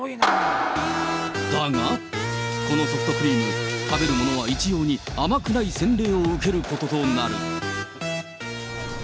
だが、このソフトクリーム、食べる者は一様に、甘くない洗礼を受けることとなる。